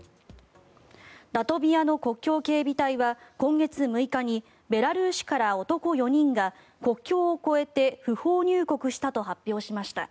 ラトビアの国境警備隊は今月６日にベラルーシから男４人が国境を越えて不法入国したと発表しました。